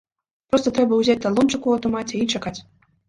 Проста трэба ўзяць талончык у аўтамаце і чакаць.